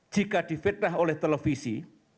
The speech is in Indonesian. jika difitnah oleh televisi